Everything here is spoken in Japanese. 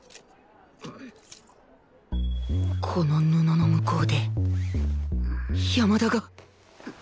この布の向こうで山田が